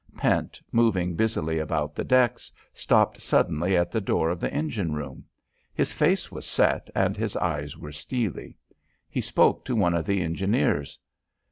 Pent, moving busily about the decks, stopped suddenly at the door of the engine room. His face was set and his eyes were steely. He spoke to one of the engineers.